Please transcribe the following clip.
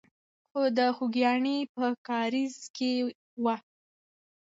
هغه د خوګیاڼیو په کارېز کې وه.